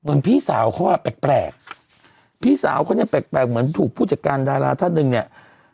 พี่สาวเขาอ่ะแปลกแปลกพี่สาวเขาเนี่ยแปลกเหมือนถูกผู้จัดการดาราท่านหนึ่งเนี่ย